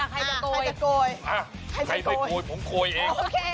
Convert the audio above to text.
คนไทยมาโกยผมโกยเอง